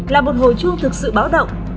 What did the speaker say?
là một hồi chuông thực sự báo động